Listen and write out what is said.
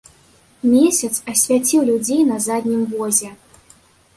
Месяц асвяціў людзей на заднім возе.